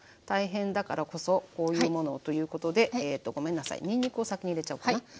大変だからこそこういうものをということでええとごめんなさいにんにくを先に入れちゃおうかな。